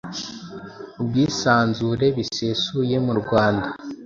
ubwisanzure bisesuye mu Rwanda.